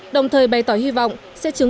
đồng thời bày tỏ hy vọng sẽ chứng minh